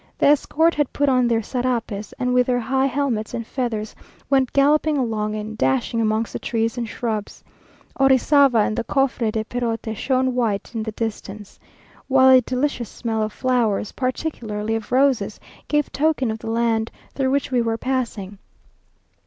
The escort had put on their sarapes, and with their high helmets and feathers, went galloping along, and dashing amongst the trees and shrubs. Orizava and the Cofre de Perote shone white in the distance, while a delicious smell of flowers, particularly of roses, gave token of the land through which we were passing.